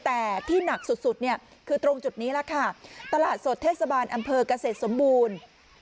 แต่ที่หนักสุดเนี่ยคือตรงจุดนี้แหละค่ะตลาดสดเทศบาลอำเภอกเกษตรสมบูรณ์